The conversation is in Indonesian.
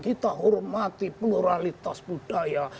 kita hormati pluralitas budaya